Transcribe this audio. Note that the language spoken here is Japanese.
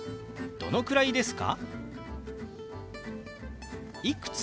「どのくらいですか？」。